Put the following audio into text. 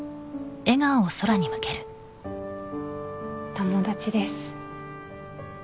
友達です